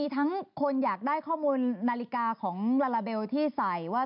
ทั้งคนอยากได้ข้อมูลนาฬิกาของลาลาเบลที่ใส่ว่า